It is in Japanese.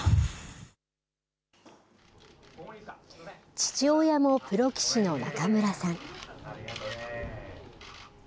父親もプロ棋士の仲邑さん。